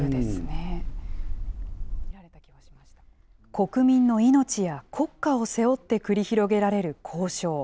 国民の命や国家を背負って繰り広げられる交渉。